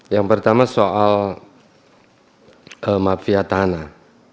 yang pertama soal mafia tanah